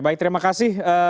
baik terima kasih